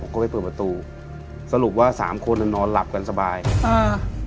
ก็ไปเปิดประตูสรุปว่าสามคนอ่ะนอนหลับกันสบายอ่า